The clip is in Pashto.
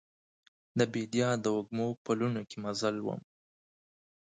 د بیدیا د وږمو پلونو کې مزل وم